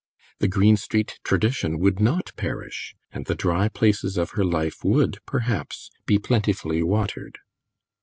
The Greenstreet tradition would not perish, and the dry places of her life would, perhaps, be plentifully watered.